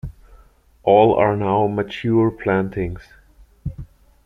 All are now mature plantings.